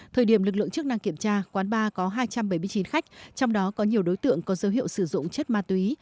thời điểm lực lượng chức năng kiểm tra quán bar có hai trăm bảy mươi chín khách trong đó có nhiều đối tượng có dấu hiệu sử dụng chất ma túy